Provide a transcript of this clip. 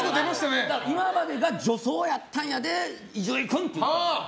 今までが助走やったんやで伊集院君って。